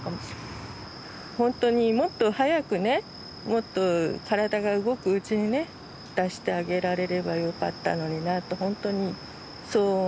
ほんとにもっと早くねもっと体が動くうちにね出してあげられればよかったのになってほんとにそう思うんですけど。